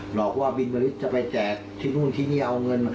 หลอกว่ารบินเบนริชจะไปแจกที่นู่นที่นี่